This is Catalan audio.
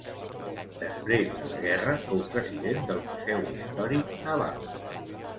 Després de la guerra fou president del Museu Històric Naval.